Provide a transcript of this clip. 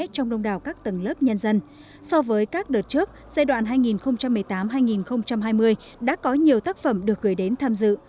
trong đông đảo các tầng lớp nhân dân so với các đợt trước giai đoạn hai nghìn một mươi tám hai nghìn hai mươi đã có nhiều tác phẩm được gửi đến tham dự